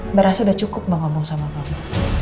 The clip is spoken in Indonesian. mbak rasa udah cukup mbak ngomong sama kamu